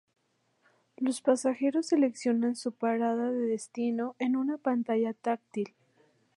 Los pasajeros seleccionan su parada de destino en una pantalla táctil.